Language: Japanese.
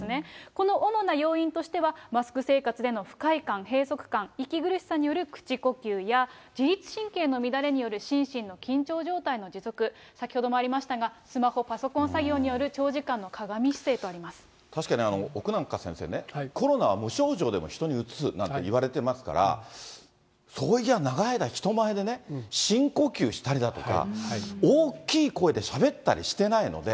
この主な要因としては、マスク生活での不快感、閉塞感、息苦しさによる口呼吸や、自律神経の乱れによる心身の緊張状態の持続、先ほどもありましたが、スマホ、パソコン作業による、確かに、奥仲先生ね、コロナは無症状でも人にうつすなんて言われてますから、そういや、長い間、人前でね、深呼吸したりだとか、大きい声でしゃべったりしてないので。